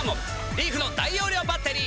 リーフの大容量バッテリー。